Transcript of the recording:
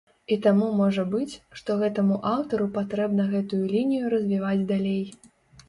І таму можа быць, што гэтаму аўтару патрэбна гэтую лінію развіваць далей.